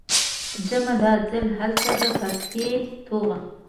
ځمه، دا ځل هلته د فتحې توغ